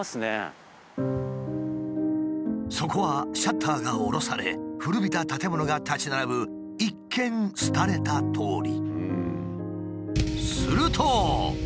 そこはシャッターがおろされ古びた建物が立ち並ぶ一見廃れた通り。